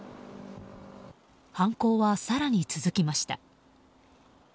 犯行は更に続きました。